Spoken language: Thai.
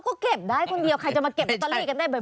ก็เก็บได้คนเดียวใครจะมาเก็บลอตเตอรี่กันได้บ่อย